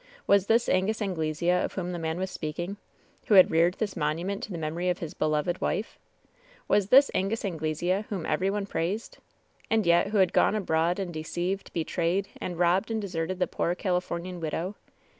Was this Angus Anglesea of whom the man was speaking? who had reared this monument to the memory of his "beloved wife"? Was this Angus Anglesea, whom every one praised ? And yet, who had gone abroad and deceived, betrayed, and robbed and deserted the poor Calif omian widow?